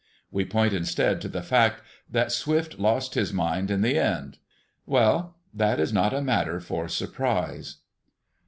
We point instead to the fact that Swift lost his mind in the end. Well, that is not a matter for surprise.